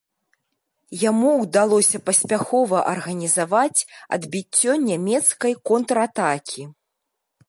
Яму ўдалося паспяхова арганізаваць адбіццё нямецкай контратакі.